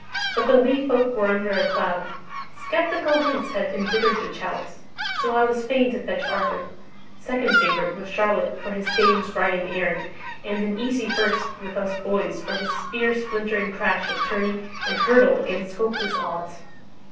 But the Wee Folk were under a cloud; sceptical hints had embittered the chalice. So I was fain to fetch Arthur second favourite with Charlotte for his dames riding errant, and an easy first with us boys for his spear splintering crash of tourney and hurtle against hopeless odds.